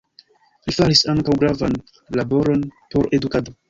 Li faris ankaŭ gravan laboron por edukado.